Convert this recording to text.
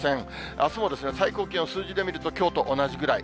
あすも最高気温、数字で見るときょうと同じぐらい。